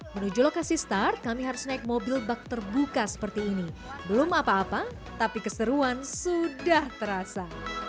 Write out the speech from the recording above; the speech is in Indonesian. menuju lokasi start kami harus naik mobil bak terbuka seperti ini belum apa apa tapi keseruan sudah terasa